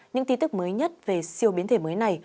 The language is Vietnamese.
những tin tức mới nhất về siêu biến thể mới này